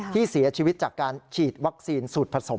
ที่เสียชีวิตจากการฉีดวัคซีนสูตรผสม